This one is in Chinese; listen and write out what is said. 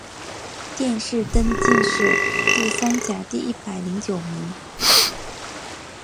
殿试登进士第三甲第一百零九名。